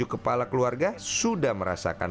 kepala keluarga sudah merasakan